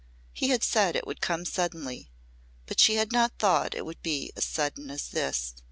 He had said it would come suddenly. But she had not thought it would be as sudden as this.